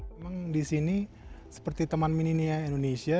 memang di sini seperti teman minia indonesia